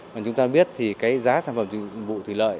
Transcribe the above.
mà chúng ta biết thì cái giá sản phẩm dịch vụ thủy lợi